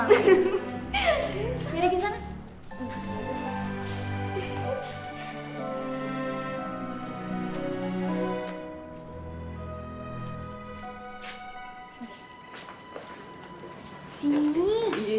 tunggu tunggu tunggu